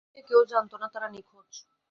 এদিকে কেউ জানত না তারা নিখোঁজ।